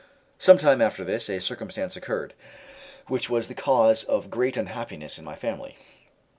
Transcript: Sometime after this, a circumstance occurred, which was the cause of great unhappiness in my family.